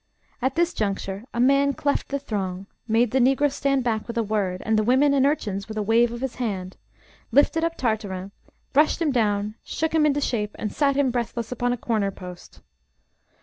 At this juncture a man cleft the throng, made the Negroes stand back with a word, and the women and urchins with a wave of the hand, lifted up Tartarin, brushed him down, shook him into shape, and sat him breathless upon a corner post.